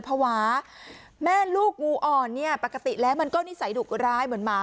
ภาวะแม่ลูกงูอ่อนเนี่ยปกติแล้วมันก็นิสัยดุร้ายเหมือนหมา